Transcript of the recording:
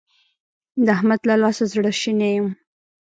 د احمد له لاسه زړه شنی يم.